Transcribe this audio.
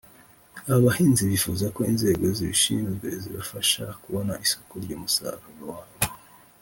Aba bahinzi bifuza ko inzego zibishinzwe zabafasha kubona isoko ry’umusaruro wabo